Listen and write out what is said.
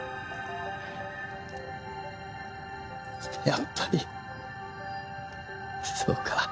やっぱりそうか。